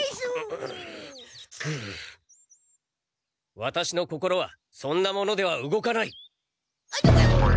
ワタシの心はそんなものでは動かない。